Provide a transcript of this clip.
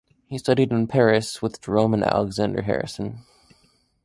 He studied in Paris with Gerome and Alexander Harrison.